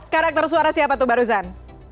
karakter suara siapa tuh barusan